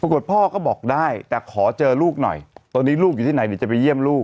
พ่อก็บอกได้แต่ขอเจอลูกหน่อยตอนนี้ลูกอยู่ที่ไหนเดี๋ยวจะไปเยี่ยมลูก